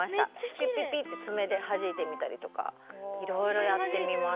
ピッピッピッてつめではじいてみたりとかいろいろやってみました。